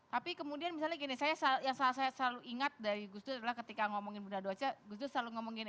tapi kemudian misalnya gini yang saya selalu ingat dari gus dur adalah ketika ngomongin bunda doce gus dur selalu ngomong gini